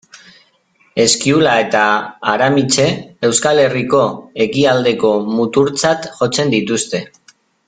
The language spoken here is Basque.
Eskiula eta Aramitse, Euskal Herriko ekialdeko muturtzat jotzen dituzte.